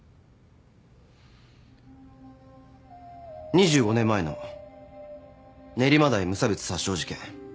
２５年前の練馬台無差別殺傷事件。